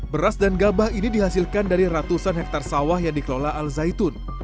beras dan gabah ini dihasilkan dari ratusan hektare sawah yang dikelola al zaitun